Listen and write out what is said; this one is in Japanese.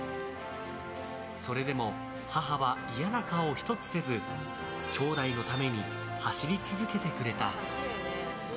それでも母は嫌な顔一つせず兄弟のために走り続けてくれた。